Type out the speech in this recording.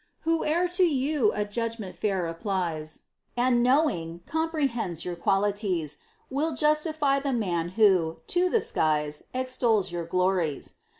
Whoe'er to you a judgment fair applies, And knowing, comprehends your qualities, Will justify the man who, to the skies, Extols your glories.